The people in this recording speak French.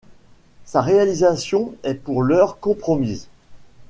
Sa réalisation est pour l'heure compromise.